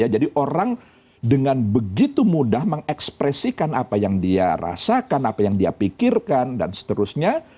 jadi orang dengan begitu mudah mengekspresikan apa yang dia rasakan apa yang dia pikirkan dan seterusnya